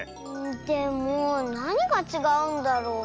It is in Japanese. でもなにがちがうんだろう？